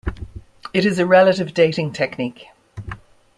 It is a relative dating technique.